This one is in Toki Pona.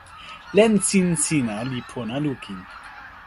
len sin sina li pona lukin.